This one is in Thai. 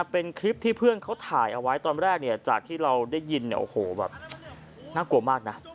เป็นคลิปที่เพื่อนเขาถ่ายเอาไว้ตอนแรกเนี่ยจากที่เราได้ยินเนี่ยโอ้โหแบบน่ากลัวมากนะ